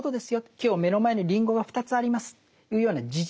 今日目の前にりんごが２つありますというような事実。